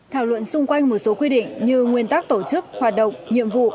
thảo luận xung quanh một số quy định như nguyên tắc tổ chức hoạt động nhiệm vụ